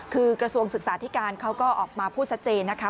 คือกระทรวงศึกษาธิการเขาก็ออกมาพูดชัดเจนนะคะ